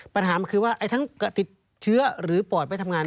ปัญหาคือว่าทั้งติดเชื้อหรือปอดไปทำงาน